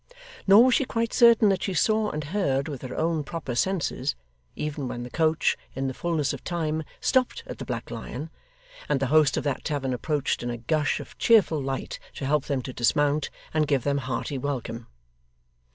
Nor was she quite certain that she saw and heard with her own proper senses, even when the coach, in the fulness of time, stopped at the Black Lion, and the host of that tavern approached in a gush of cheerful light to help them to dismount, and give them hearty welcome.